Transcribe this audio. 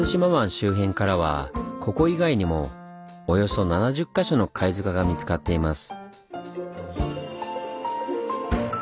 周辺からはここ以外にもおよそ７０か所の貝塚が見つかっています。